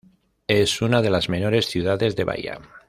Es una de las menores ciudades de Bahía.